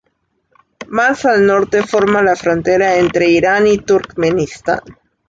Más al norte forma la frontera entre Irán y Turkmenistán.